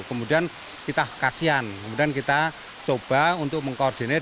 kemudian kita kasihan kemudian kita coba untuk mengkoordinat